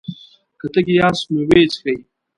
که تږي ياست نو ويې څښئ!